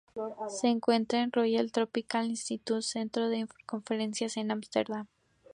Se encuentra en el Royal Tropical Institute centro de conferencias en Ámsterdam.